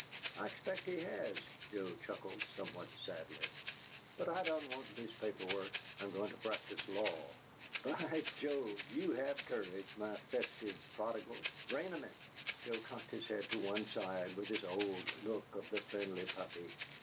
"I expect he has," Joe chuckled, somewhat sadly. "But I don't want newspaper work. I'm going to practice law." "By Jove! you have courage, my festive prodigal. VRAIMENT!" Joe cocked his head to one side with his old look of the friendly puppy.